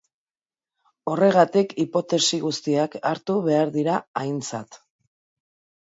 Horregatik, hipotesi guztiak hartu behar dira aintzat.